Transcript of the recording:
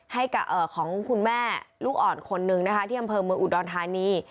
ให้กับเอ่อของคุณแม่ลูกอ่อนคนหนึ่งนะคะที่กำเภิงเมืองอุดรทานี